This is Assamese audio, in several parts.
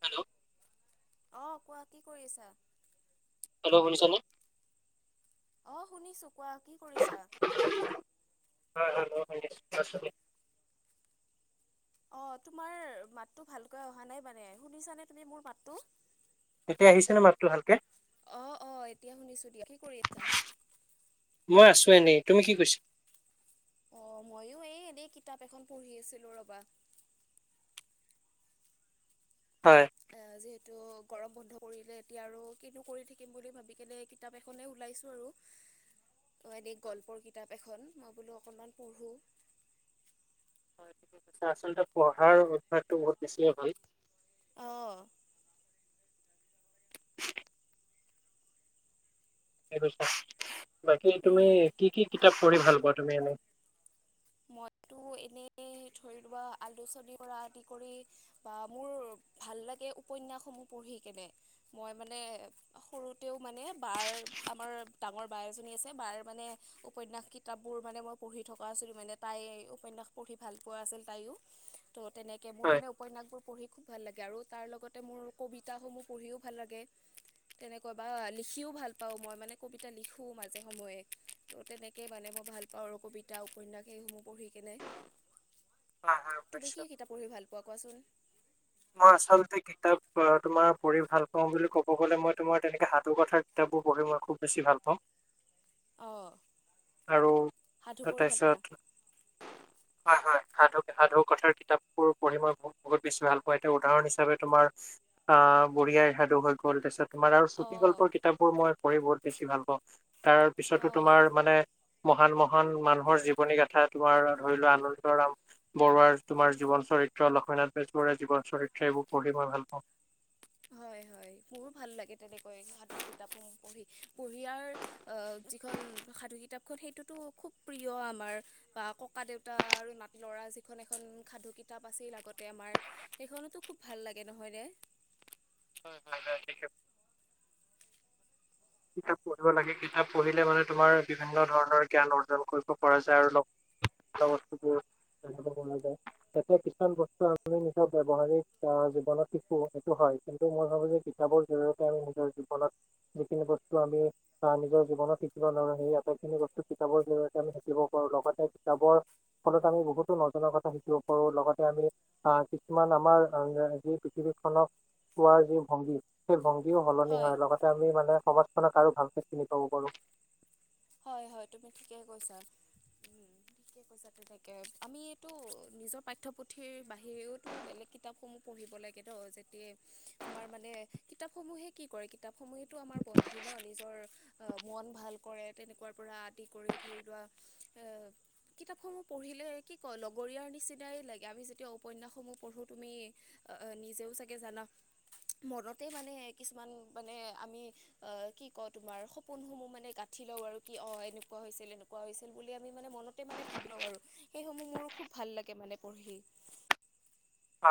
হেল্ল' অ কোৱা কি কৰিছা? হেল্ল' শুনিচা নে? অ শুনিছো কোৱা কি কৰিছা? [unintelligible] অ তোমাৰ মাতটো ভালকৈ অহা নাই মানে শুনিছানে তুমি মোৰ মাতটো? এতিয়া আহিছে নে মাতটো ভালকে? অ অ এতিয়া শুনিছো দিয়া কি কৰি আছা? মই আছো এনেই তুমি কি কৈছা? অ ময়ো এই এনেই কিতাপ এখন পঢ়ি আছিলো ৰবা। হয়। টো গৰম বন্ধ কৰিলে এতিয়া আৰু কিনো কৰি থাকিম বুলি ভাবি কেনে কিতাপ এখনে ওলাইছো আৰু। ত গল্পৰ কিতাপ এখন মই বোলো অকনমান পঢ়ো। [inaudible] তুমি কৈছা আচলতে পঢ়াৰ অভ্যাসটো বহুত বেছিয়ে হয়। আহ কৈছে বাকী তুমি উম। কি কি কিতাপ পঢ়ি ভাল পোৱা তুমি এনেই? মইতো এনেই ধৰিলোৱা আলোচনী কৰা আদি কৰি বা মোৰ ভাল লাগে উপন্যাসসমূহ প পঢ়ি কেনে মই মানে সৰুতেওঁ মানে বাৰ আমাৰ ডাঙৰ বা এজনি আছে বাৰ মানে উপন্যাস কিতাপ বোৰ মানে মই পঢ়ি থকা আছিলো মানে তাই উপন্যাস পঢ়ি ভাল পোৱা আছিল তাইও ত' তেনেকে মোৰ হয় মানে উপন্যাসবোৰ পঢ়ি খুব ভাল লাগে আৰু তাৰ লগতে মোৰ কবিতাস সমূহ পঢ়িও ভাল লাগে। তেনেকৈ বা লিখিও ভাল পাওঁ, মই মানে কবিতা লিখো মাজে সময়ে ত তেনেকে মানে ভাল পাওঁ আৰু কবিতা, উপন্যাস সেইসমূহ পঢ়ি কেনে হয় হয় তুমি কি অৱশ্যে। কিতাপ পঢ়ি ভাল পোৱা কোৱাচোন? মই আচলতে কিতাপ তোমাৰ পঢ়ি ভাল পাওঁ বুলি ক'ব গ'লে মই তোমাৰ তেনেকে সাধু কথা কিতাপ পঢ়ি মই খুব বেছি ভাল পাওঁ। অঁ আৰু সাধু পঢ়ি ভাল পোৱা তাৰপিছত হয় হয় সাধু সাধু কথাৰ কিতাপ বোৰ পঢ়ি মই ব বহুত বেছি ভাল এতিয়া উদাহৰণ হিচাপে তোমাৰ আহ বুঢ়িয়াই সাধু হৈ গ'ল তাৰপিছত তোমাৰ আৰু চুটী অঁ গল্পৰ কিতাপবোৰ মই পঢ়ি বহুত বেছি ভাল পাওঁ। তাৰ পিছতো অঁ তোমাৰ মানে মহান মহান মানুহৰ জীৱনী গাথা তোমাৰ ধৰি লোৱা আনন্দৰাম বৰুৱাৰ তোমাৰ জীৱন চ চৰিত্ৰ লক্ষ্মীনাথ বেজবৰুৱা জীৱন চৰিত্ৰ এইবোৰ পঢ়ি মই ভাল পাওঁ। হয় হয়। হয় মোৰো ভাল লাগে তেনেকৈ সাধুৰ কিতাপসমূহ পঢ়ি বুঢ়িয়াৰ আহ যিখন সাধু কিতাপখন সেইটোতো খুব প্ৰিয় আমাৰ বা ককা দেউতা আৰু মাতি ল'ৰা যিখন এখন সাধু কিতাপ আছিল আগতে আমাৰ সেইখনতো খুব ভাল লাগে নহয় নে? হয় হয় থিকে। কিতাপ পঢ়িব লাগে কিতাপ পঢ়িলে মানে তোমাৰ বিভিন্ন ধৰণৰ জ্ঞান অৰ্জন কৰিব পৰা যায় আৰু লগ। [unintelligible] তেনে কৈকো ওলাই যায় এতিয়া কিছুমান বস্তু আমি নিজৰ ব্যৱহাৰিক জীৱনত শিকো এইটো হয়। কিন্তু মই ভাবো যে কিতাপৰ জৰিয়তে আমি নিজৰ জীৱনত যিখিনি বস্তু। আমি আহ নিজৰ জীৱনত শিকিব নোৱাৰো সেই আটাইখিনি বস্তু কিতাপৰ জৰিয়তে আমি শিকিব পাৰো লগতে। যাবৰ ফলত আমি বহুতো নজনা কথা শিকিব পাৰো লগতে আমি আহ কিছুমান আমাৰ। যি পৃথিৱী খনক পোৱাৰ যি ভংগী সেই ভংগী। ও সলনি হয় লগতে আমি মানে সমাজখনক আৰু ভালকে চিনি পাব পাৰো। হয় হয় তুমি ঠিকে কৈছা। কৈক আমি এইটো নিজৰ পাঠ্যপুথিৰ। সেইয়ওতো বেলেগ কিতাপসমূহ। পঢ়িব লাগে দ যেতি আমাৰ মানে কিতাপ সমূহে কি কৰে কিতাপ। সময়তো আমাৰ বন্ধু ন নিজৰ অ মন ভাল কৰে। তেনেকুৱাৰ পৰা আদি কৰি ধৰি লোৱা এ। কিতাপ সমূহ পঢ়িলে কি ক লগৰীয়াৰ নিচিনাই লাগে আমি যেতিয়া উপন্যাসসমূহ পঢ়ো তুমি। অ নিজেও চাগে জান। মনতে মানে কিছুমান মানে আমি আহ কি ক তোমাৰ সপোনসমূহ মানে গ। উঠি লওঁ আৰু কি অঁ এনেকুৱা হৈছিল এনেকুৱা হৈছিল বুলি আমি মানে মনতে মানে ভাব লওঁ আৰু সেইসমূহ মোৰ খুব। ভাল লাগে মানে পঢ়ি্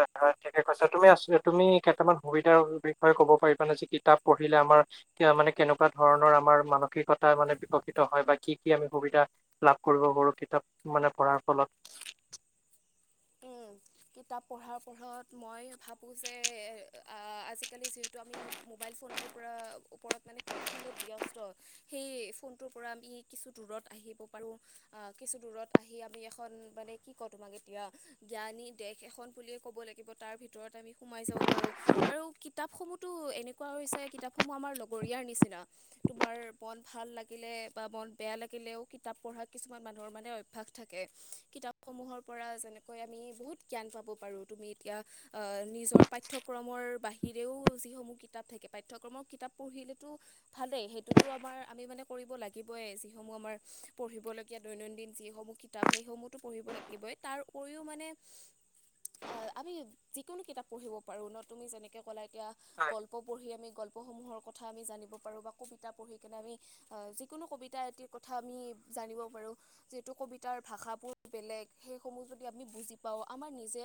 হয় হয় ঠিকে কৈছ তুমি আ তুমি কেইটামান সুবিধাৰ বিষয়ে ক'ব পাৰিবাানে যে কিতাপ পঢ়িলে আমাৰ। মানে কেনেকুৱা ধৰণৰ আমাৰ মানসিকতা মানে বিকশিত হয় বা কি কি আমি সুবিধা লাভ কৰো। সৰু সৰু কিতাপ মানে পঢ়াৰ ফলত‌। উম মত [unintelligible] কিতাপ পঢ়াৰ পঢ়ত মই ভাবো যে আজিকালি যিহেতু আমি। মোবাইল ফোন কোব ব্যস্ত। আহিব পাৰো অ কিছু দূৰত আহি আমি এখন মানে কি ক তোমাক এতিয়া। জ্ঞানী দেশ এখন বুলিয়ে ক'ব লাগিব তাৰ ভিতৰত আমি সোমাই যাব পাৰো আৰু। কিতাপসমূহতো এনেকুৱা হৈছে কিতাপসমূহ আমাৰ লগৰীয়াৰ নিচিনা তোমাৰ মন ভাল লাগিলে। বা মন বেয়া লাগিলেও কিতাপ পঢ়া কিছুমান মানুহৰ মানে অভ্যস থাকে কিতাপ সমূহৰ পৰা যেনে। কৈ আমি বহুত জ্ঞান পাব পাৰোঁ তুমি এতিয়া নিজৰ পাঠ্যক্ৰমৰ বাহিৰেও। যিসমূহ কিতাপ থাকে পাঠ্য়ক্ৰমৰ কিতাপ পঢ়িলেতটো ভালেই সেইটোতো আমাৰ আমি মানে কৰিব লাগিব যিসমূহ আমাৰ পঢ়িবলগীয়া দৈনন্দিন যিসমূহ কিতাপ সেইসমূহতো পঢ়িব লাগিবই তাৰ। শুইও মানে অ আমি যিকোনো কিতাপ পঢ়িব পাৰো ন তুমি যেনেকে। এয়া গল্প পঢ়ি আমি গল্পসমূহৰ জানিব পাৰো বা কবিতা পঢ়ি কেনে আমি যিকোনো কবিতা এটি কথা আমি জানিব পাৰো। আৰু যিহেটো কবিতাৰ ভাষাবোৰ বেলেগ সেইসমূহ যদি। আমি বুজি পাওঁ আমাৰ নিজে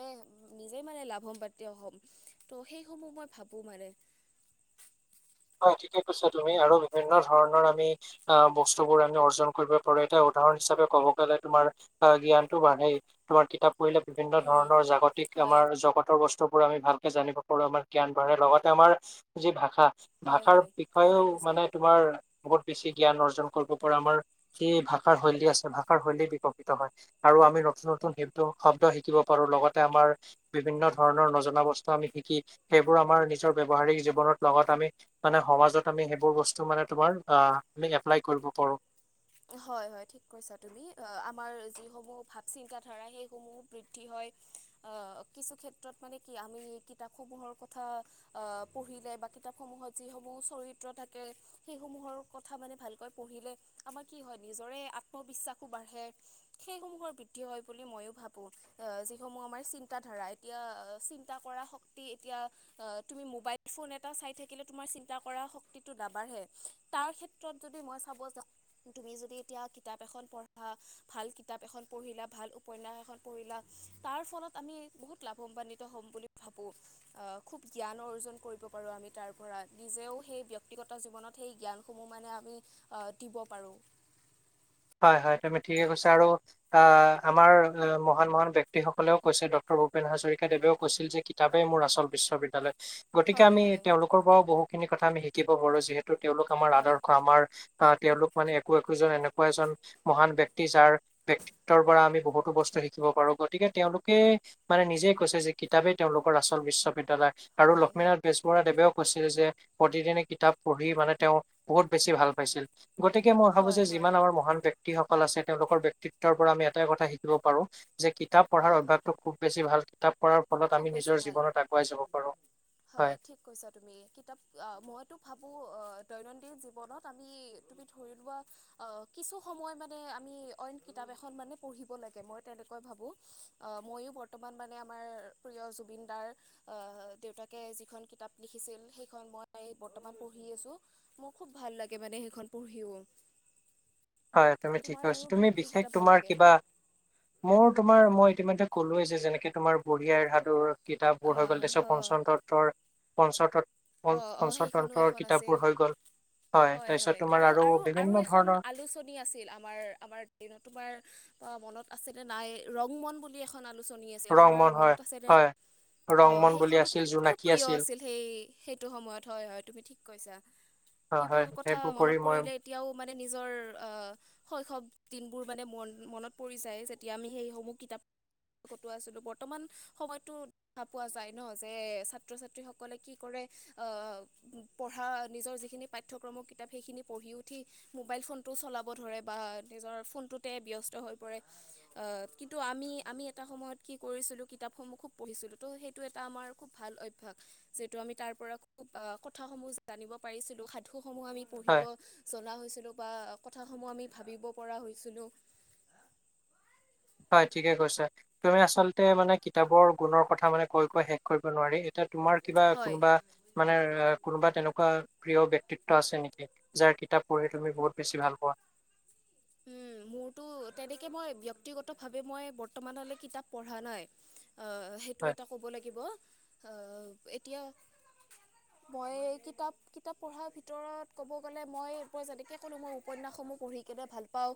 নিজে মানে লাভান্বিত হ'ম ত সেইসমূহ মই ভাবো। ব মাৰে্ হয় ঠিকে কৈছা তুমি আৰু বিভিন্ন ধৰণৰ আমি অ বস্তুবোৰ আমি অৰ্জন কৰিব পাৰো এটা। উদাহৰণ হিচাপে ক'ব গলে তোমাৰ আহ জ্ঞানতটো বাঢ়েই তোমাৰ কিতাপ। কৰিলে বিভিন্ন ধৰণৰ জাগতিক হয় আমাৰ জগতৰ বস্তুচ। আমি ভালকে জানিব পাৰো আমাৰ জ্ঞান বঢ়ৰে লগতে আমাৰ যি ভাষা। হয় ভাষাৰ হয় ঠিকে বিষয়েও কৈছা মানে তোমাৰ বহুত বেছি যে। জ্ঞান অৰ্জন কৰিব পৰা আমাৰ সেই ভাষাৰ শৈলী আছে ভাষাৰ শৈলী বিকশিত হয় আৰু আমি নতুন। নতুন শ শব্দ শিকিব পাৰো লগতে আমাৰ বিভিন্ন ধৰণৰ নজনা বস্তু আমি শিকি সেইবোৰ। আমাৰ নিজৰ ব ব্যৱহাৰিক জীৱনত লগত আমি। মানে সমাজত আমি সেইবোৰ বস্তু মানে তোমাৰ আহ আমি এপ্লাই কৰিব পাৰোঁ। হয় হয় ঠিক কৈছা তুমি আমাৰ যিসমূহ ভাৱ চিন্ত ধাৰা সেইসমূহ বৃদ্ধি হয়। কিছু ক্ষেত্ৰত মানে কি আমি কিতাপ সমূহৰ কথা আহ পঢ়িলে। বা কিতাপ সমূহত যিসমূহ চৰিত্ৰ থাকে সেইসমূহৰ কথা মানে ভালকৈ পঢ়িলে আমাৰ কি হয় নিজৰে আত্মবিশ্বাসো বাঢ়ে সেইসমূহৰ বৃদ্ধি হয় বুলি মইও ভাবো অ যিসমূহ আমাৰ চিন্তা ধাৰা এতিয়া চিন্তা কৰা শক্তি এতিয়া অ তুমি মোবাইল ফোন এটা চাই থাকিলে তোমাৰ চিন্তা কৰা শক্তিটো নাবঢ়ে তাৰ ক্ষেত্ৰত যদি মই চাব যা তুমি যদি এতিয়া কিতাপ এখন পঢ়া ভাল কিতাপ এখন পঢ়িলা ভাল উপন্যাস এখন পঢ়িলা তাৰ ফলত আমি বহুত লাভান্বিত হ'ম বুলি ভাবো আহ খুব জ্ঞানৰ অৰ্জন কৰিব পৰা আমি তাৰপৰা নিজেও সেই ব্যক্তিগত জীৱনত সেই জ্ঞান সমূহ মানে আমি অ দিব পাৰো হয় হয় তুমি ঠিকে কৈছা আৰু আমাৰ মহান মহান ব্যক্তিসকলেও কৈছে ডক্টৰ ভূপেন হাজৰিকাদেৱেও কৈছিল যে কিতাপেই মোৰ আচল বিশ্ববিদ্যালয় গতিকে হয় আমি হয় তেওঁলোকৰ পৰাও বহুতখিনি কথা আমি শিকিব পাৰো যিহেতু তেওঁলোক আমাৰ হয় আদৰ্শ আমাৰ অ তেওঁলোক মানে একো একোজন এনেকুৱা এজন মহান ব্যক্তি যাৰ ব্যক্তিত্বৰ পৰা আমি বহুতো বস্তু শিকিব পাৰো গতিকে তেওঁলোকে মানে নিজে কৈছে যে কিতাপেই তেওঁলোকৰ আচল বিশ্ববিদ্যালয় আৰু হয় হয় লক্ষ্মীনাথ বেজবৰুৱা দেৱেও কৈছিলে যে প্ৰতিদিনে কিতাপ পঢ়ি মানে তেওঁ বহুত বেছি ভাল পাইছিল গতিকে মই ভাবো হয় হয় যে হয়, যিমান আমাৰ মহান ব্যক্তিসকলৰ আছে তেওঁলোকৰ ব্যক্তিত্বৰ পৰা আমি এটাই কথা শিকিব পাৰো যে কিতাপ পঢ়াৰ অঁ অভ্যাসটো খুব বেছি ভাল কিতাপ পঢ়াৰ ফলত খুব আমি বেছি নিজৰ ভাল জীৱনত আগুৱাই যাব পাৰো হয় ঠিক কৈছা তুমি কিতাপ মইতো ভাবো দৈনন্দিন জীৱনত আমি তুমি ধৰি লোৱা আহ কিছু সময় মানে আমি অইন কিতাপ এখন মানে পঢ়িব লাগে মই তেনেকৈ ভাবো আহ মইয়ো বৰ্তমান মানে আমাৰ প্ৰিয় জুবিন দাৰ আহ দেউতাকে যিখন কিতাপ লিখিছিল সেইখন মই বৰ্তমান পঢ়ি আছো মোৰ খুব ভাল লাগে মানে সেইখন পঢ়িও হয় তুমি তোমাৰ ঠিকেছ আৰু কি তুমি কি বিশেষ কিতাপ ভাল তোমাৰ লাগে কিবা মোৰ তোমাৰ মই ইতিমধ্যে কলোৱেই যেনেকে তোমাৰ বুঢ়ীআইৰ সাধুৰ অ কিতাপবোৰ হৈ গ'ল তেৰ অ পঞ্চন ততৰ পঞ্চ অ অ সেইখনো পঞ্চতন্ত্ৰৰ এখন আছিল কিতাপবোৰ হৈ গল হয় তাৰপিছত তোমাৰ আৰু বিভিন্ন ধৰণৰ আমি আছিল আমাৰ দিনত তোমাৰ মনত আছিল নাই ৰং মন বুলি এখনত আলোচনী আছিল তোমাৰ ৰংমন হয় মনত আছে দে হয় অ ৰংমন বুলি সেইখনো আছিল খুব খুব জোনাকী প্ৰিয় আছিল সেই সেইটো সময়ত হয় হয় তুমি ঠিক কৈছা হয় সেইবোৰ হয় কথা মনত পঢ়ি মই পৰিলে এতিয়াও মানে নিজৰ আহ শৈশৱ দিনবোৰ মানে মন মনত পৰি যায় যেতিয়া আমি সেইসমূহ কিতাপ কত আছিলো বৰ্তমান সময়তো দেখা পোৱা যায় ন যে ছাত্ৰ ছাত্ৰী সকলে কি কৰে আহ পঢ়া নিজৰ যিখিনি পাঠ্যক্ৰমৰ কিতাপ সেইখিনি পঢ়ি উঠি মোবাইল ফোনটো চলাব ধৰে বা নিজৰ ফোনটোতে ব্যস্ত হৈ পৰে অ কিন্তু আমি আমি এটা সময়ত কি কৰিছিলো কিতাপসমূহ খুব পঢ়িছিলোঁ ত সেইটো এটা আমাৰ খুব ভাল অভ্যাস যিটো আমি তাৰ পৰা খুব কথাসমূহ জানিব পাৰিছিলোঁ সাধুসমূহ আমি পঢ়িব হয় জনা হৈছিলো বা কথা সমূহ আমি ভাবিব পৰা হৈছিলো। হয় ঠিকে কৈছা তুমি আচলতে মানে কিতাপৰ গুণৰ কথা মানে কৈ কৈ শেষ কৰিব নোৱাৰি এয়া তোমাৰ কিবা হয় কোনোবা মানে কোনোবা তেনেকুৱা প্ৰিয় ব্যক্তিত্ব আছে নেকি যাৰ কিতাপ পঢ়ি তুমি বহুত বেছি ভাল পোৱা। উম মোৰতো তেনেকে মই ব্যক্তিগত ভাৱে মই বৰ্তমানলৈকে কিতাপ পঢ়া নাই আহ সেইটো হয় এটা ক'ব লাগিব আহ এতিয়া মই কিতাপ কিতাপ পঢ়াৰ ভিতৰত ক'ব গ'লে মই যেনেকে ক'লো মই উপন্যাস পঢ়ি কেনে ভাল পাওঁ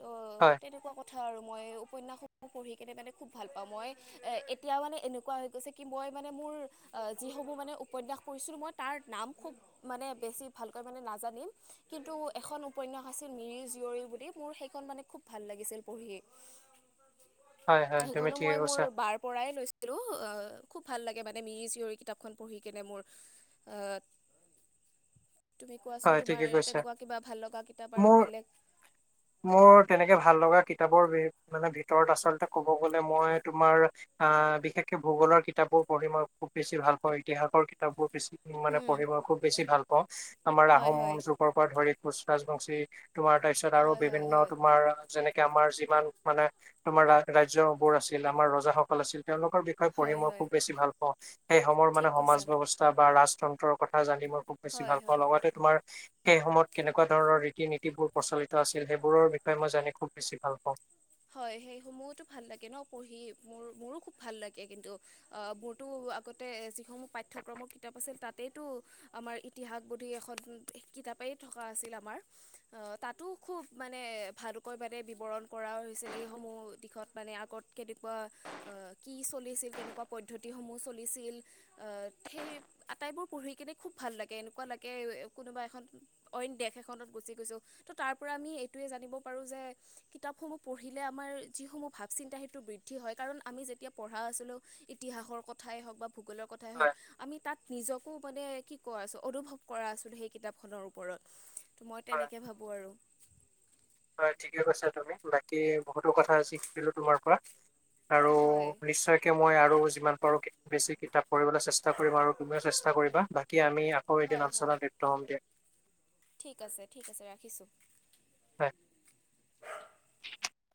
ত হয় তেনেকুৱা কথা। আৰু মই উপন্যাসসমূহ পঢ়ি কেনে মানে খুব ভাল পাওঁ মই এতিয়াও মানে এনেকুৱা হৈ গৈছে কি মই মোৰ যিসমূহ মানে উপন্যাস কৰিছিলো মই তাৰ নাম খুব মানে বেছি ভালকৈ মানে নাজানিম কিন্তু এখন উপন্যাস আছিল মিৰি জীয়ৰী বুলি মোৰ সেইখন মানে খুব ভাল লাগিছিল পঢ়ি হয় হয় তুমি সেইখনো ঠিকে মই মোৰ কৈছা। বাৰ পৰাই লৈছিলো অ খুব ভাল লাগে মানে মিৰি জীয়ৰী কিতাপখন পঢ়ি কেনে মোৰ আহ তুমি কোৱাচোন হয় ঠিকে তোমাৰ কৈছা। তেনেকুৱা কিবা ভাল লগা কিতাপ আৰু মোৰ বেলেগ মোৰ তেনেকে ভাল লগা কিতাপৰ মানে ভিতৰত আচলতে ক'ব গ'লে মই তোমাৰ বিশেষকে ভূগলৰ কিতাপবোৰ পঢ়ি মই খুব বেছি ভাল পাওঁ ইতিহাসৰ কিতাপবোৰ মানে পঢ়িব খুব বেছি ভাল পাও আমাৰ হয় আহোম হয় যুগৰ পৰা ধৰি কোচ ৰাজবংশী তোমাৰ তাৰপিছত আৰু হয় হয় বিভিন্ন হয় তোমাৰ যেনেক আমাৰ যিমান মানে তোমাৰ ৰাজ্য বোৰ আছিল আমাৰ ৰজাসকল আছিল তেওঁলোকৰ বিষয়ে পঢ়ি হয় মই হয় খুব বেছি ভাল পাওঁ সেই সময় মানে ঠিক সমাজ কৈছা ব্যৱস্থা বা ৰায তন্ত্ৰৰ কথা জানি মই খুব বেছি হয় ভাল পাওঁ হয় লগতে তোমাৰ সেই সময়ত কেনেকুৱা ধৰণৰ ৰীতি নীতিবোৰ প্ৰচলিত আছিল সেইবোৰৰ বিষয়ে মই জানি খুব বেছি ভাল পাওঁ হয় সেই সমূহতো ভাল লাগে ন পঢ়ি মোৰ মোৰো খুব ভাল লাগে কিন্তু অ মোৰতো আগতে যিসমূহ পাঠ্যক্ৰমৰ কিতাপ আছিল তাতেইতো আমাৰ ইতিহাসবোধি এখন কিতাপেই থকা আছিল আমাৰ অ তাতো খুব মানে ভালকৈ বাদে বিৱৰণ কৰা। [unintelligible] সমূহ দিশত মানে আগত কেনেকুৱা কি চলিছিল কেনেকুৱা পদ্ধতিসমূহ চলি সেই আটাইবোৰ পঢ়ি কিনে খুব ভাল লাগে এনেকুৱা লাগে কোনোবা এখন অইন দেশ এখনত গুচি গৈছো ত' তাৰ পৰা আমি এইটোয়ে জানিব পাৰো যে কিতাপ সমূহ পঢ়িলে আমাৰ যিসমূহ ভাৱ চিন্তা সেইটো বৃদ্ধি হয় কাৰণ আমি যেতিয়া পঢ়া আছিলোঁ ইতিহাসৰ কথা। কথাই হওক বা ভূগোলৰ কথাই হয় হওক আমি তাত নিজক মানে কি কোৱা আছো অনুভৱ কৰা আছিলো সেই কিতাপ খনৰ ওপৰত মই হয় তেনেকে ভাবো আৰু হয় ঠিকে কৈছা তুমি বাকী বহুতো কথা শিকিলো তোমাৰ পৰা। উ আৰু নিশ্চয়কে মই আৰু যিমান পাৰো বেছি কিতাপ পঢ়িবলৈ চেষ্টা কৰিম আৰু তুমিও চেষ্টা কৰিবা। বাকী আমি আকৌ এদিন হয় হয় আলোচনাত লিপ্ত হম দিয়া ঠিক আছে ঠিক আছে ৰাখি। হয়।